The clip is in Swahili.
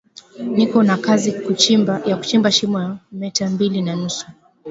Niko na kazi ya kuchimba shimo ya meta mbili na nusu